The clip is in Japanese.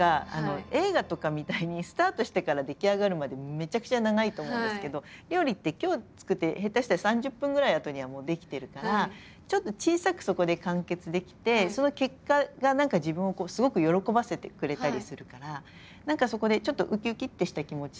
映画とかみたいにスタートしてから出来上がるまでめちゃくちゃ長いと思うんですけど料理って今日作って下手したら３０分ぐらいあとにはもう出来てるからちょっと小さくそこで完結できて何かそこでちょっとウキウキってした気持ちになるし。